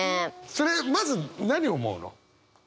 それまず何思うの？